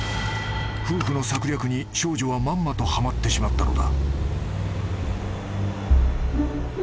［夫婦の策略に少女はまんまとはまってしまったのだ］